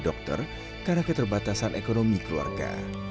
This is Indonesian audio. dokter karena keterbatasan ekonomi keluarga